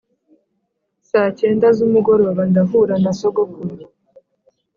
Saa cyenda z’umugoroba ndahura na sogokuru